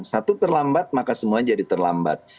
satu terlambat maka semua jadi terlambat